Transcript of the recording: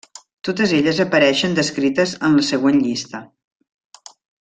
Totes elles apareixen descrites en la següent llista.